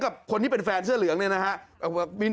กับคนที่เป็นแฟนเสื้อเหลืองนะครับ